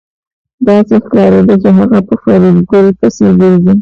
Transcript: داسې ښکارېده چې هغه په فریدګل پسې ګرځي